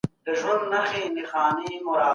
آیا دغه ناروغي ساري ده؟